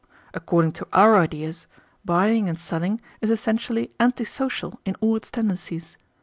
According to our ideas, buying and selling is essentially anti social in all its tendencies.